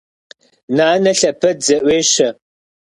Нанэ лъэпэд зэӏуещэ.